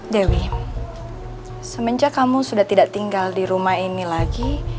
dewi semenjak kamu sudah tidak tinggal di rumah ini lagi